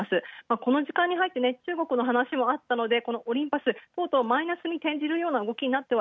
この時間にはいって中国の話もあったのでこのオリンパスとうとう、マイナスに転じるような動きに。